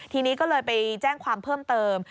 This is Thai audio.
ทีนี้ก็เลยไปแจ้งความเพิ่มเติม